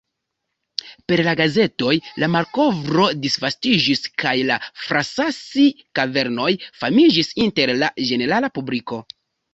Per la gazetoj la malkovro disvastiĝis kaj la Frasassi-kavernoj famiĝis inter la ĝenerala publiko.